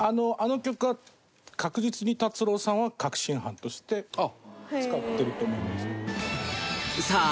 あの曲は、確実に達郎さんは確信犯として使ってると思います。